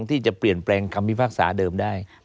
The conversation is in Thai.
ที่จะเปลี่ยนแปลงคำพิพากษาเดิมได้